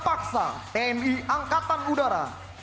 mari kembali kita arahkan